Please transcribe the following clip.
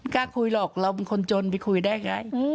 กล้าคุยหรอกมันคนชนคุยได้ไง